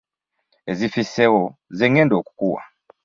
Ezifisseewo ze ŋŋenda okukuwa.